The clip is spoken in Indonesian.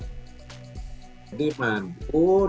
untuk itu pasti madu memiliki masa kedeluarsa